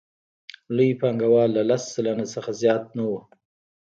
لوی پانګوال له لس سلنه څخه زیات نه وو